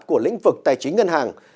của lĩnh vực tài chính ngân hàng